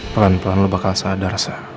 pelan pelan lo bakal sadar